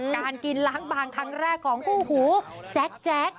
การกินล้างบางครั้งแรกของคู่หูแซคแจ๊ก